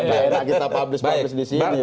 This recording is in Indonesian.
nggak enak kita publis publis di sini